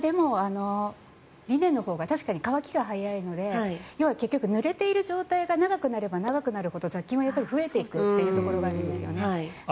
リネンのほうが確かに乾きが早いので結局ぬれている状態が長くなれば長くなるほど雑菌は増えていくというところがあるんですね。